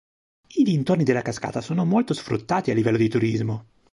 I dintorni della cascata sono molto sfruttati a livello di turismo.